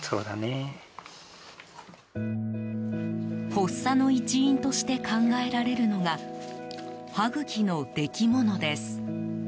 発作の一因として考えられるのが歯茎のできものです。